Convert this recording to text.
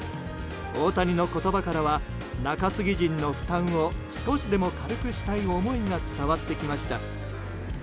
大谷の言葉からは中継ぎ陣の負担を少しでも軽くしたい思いが伝わってきました。